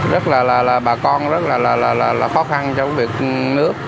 rất là là là bà con rất là là là là là khó khăn trong việc nước